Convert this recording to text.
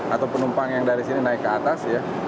atau penumpang yang dari sini naik ke atas ya